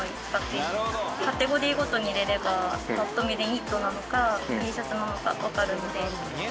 カテゴリーごとに入れればパッと見でニットなのかＴシャツなのかわかるので。